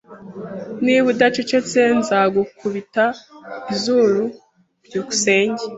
Niba udacecetse nzagukubita izuru. byukusenge